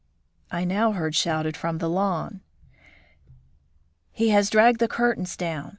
I now heard shouted from the lawn. "He has dragged the curtains down!